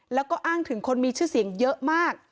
แล้วก็อ้างถึงคนมีชื่อเสียงเยอะมาก